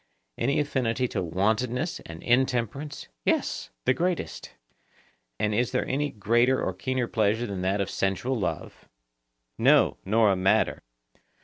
Any affinity to wantonness and intemperance? Yes, the greatest. And is there any greater or keener pleasure than that of sensual love? No, nor a madder.